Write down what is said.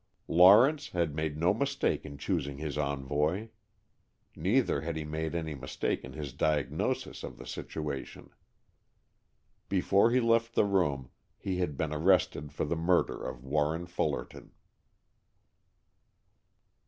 Lawrence had made no mistake in choosing his envoy. Neither had he made any mistake in his diagnosis of the situation. Before he left the room, he had been arrested for the murder of Warren Fullerton.